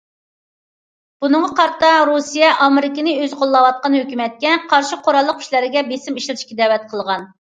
بۇنىڭغا قارتا، رۇسىيە، ئامېرىكىنى ئۆزى قوللاۋاتقان ھۆكۈمەتكە قارشى قوراللىق كۈچلەرگە بېسىم ئىشلىتىشكە دەۋەت قىلغان.